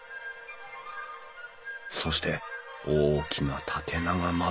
そして大きな縦長窓。